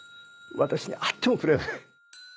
私に会ってもくれない。